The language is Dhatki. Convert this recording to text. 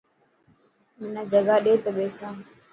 منا جگا ڏي ته ٻيسان.